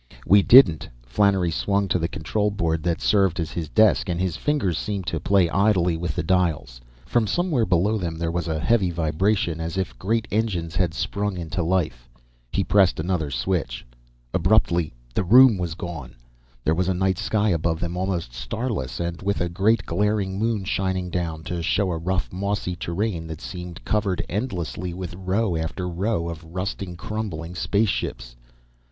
"We didn't!" Flannery swung to the control board that served as his desk, and his fingers seemed to play idly with the dials. From somewhere below them, there was a heavy vibration, as if great engines had sprung into life. He pressed another switch. [Illustration: FLANNERY] Abruptly, the room was gone. There was a night sky above them, almost starless, and with a great, glaring moon shining down, to show a rough, mossy terrain that seemed covered endlessly with row after row of rusting, crumbling spaceships.